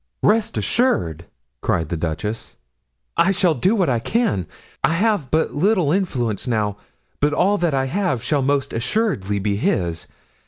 "Rest assured," cried the duchess, "I shall do what I can. I have but little influence now, but all that I have shall most assuredly be his.